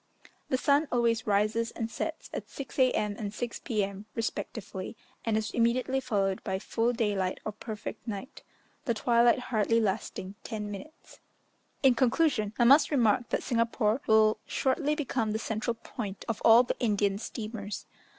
The sun always rises and sets at 6 A.M. and 6 P.M. respectively, and is immediately followed by full daylight or perfect night; the twilight hardly lasting ten minutes. In conclusion, I must remark that Singapore will shortly become the central point of all the Indian steamers.